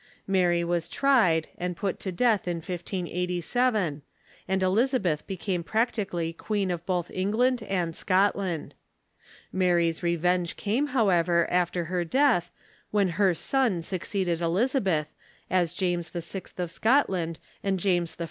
Mary Avas tried, and put to death in 1587, and Elizabeth became practically queen of both England and Scotland. Mary's revenge came, however, after her death, when her son succeeded Elizabeth, as James VI. of Scotland and James I.